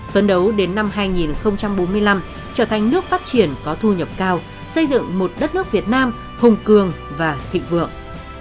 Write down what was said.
phấn đấu đến năm hai nghìn bốn mươi năm trở thành nước phát triển có thu nhập cao xây dựng một đất nước việt nam hùng cường và thịnh vượng